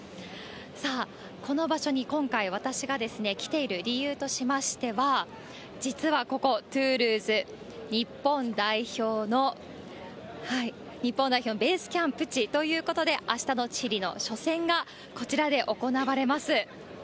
さあ、この場所に今回、私が来ている理由としましては、実はここトゥールーズ、日本代表のベースキャンプ地ということで、あしたのチリの初戦が、こちらで行われます。